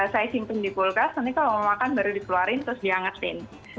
saya simpan di kulkas nanti kalau mau makan baru dikeluarin terus diangetin